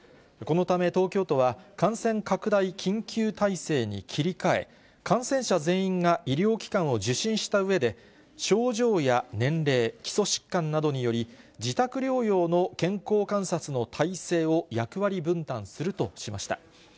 このため東京都は、感染拡大緊急体制に切り替え、感染者全員が医療機関を受診したうえで、症状や年齢、基礎疾患などにより、自宅療養の健康観察の体制を役割分担するとしました。